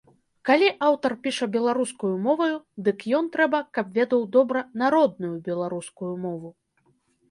Калі аўтар піша беларускаю моваю, дык ён трэба, каб ведаў добра народную беларускую мову.